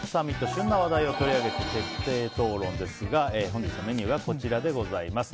旬な話題を取り上げて徹底討論ですが本日のメニューはこちらでございます。